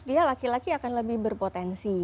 dia laki laki akan lebih berpotensi